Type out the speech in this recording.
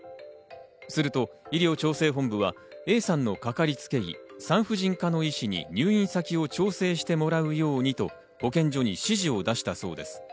すると医療調整本部はＡさんのかかりつけ医、産婦人科の医師に入院先を調整してもらうようにと保健所に指示を出したそうです。